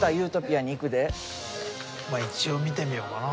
一応見てみようかな。